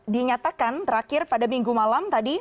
dinyatakan terakhir pada minggu malam tadi